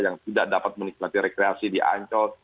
yang tidak dapat menikmati rekreasi di ancol